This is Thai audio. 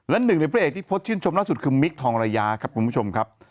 และหนึ่งในพระเอกที่โพสต์ชื่นชมล่าสุดคือมิคทองระยาครับคุณผู้ชมครับ